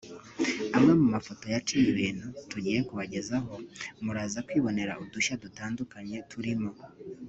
Amwe mu mafoto yaciye ibintu tugiye kubagezaho muraza kwibonera udushya dutandukanye turimo